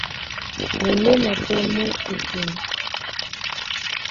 Muléma pɛ́ mú e ótên.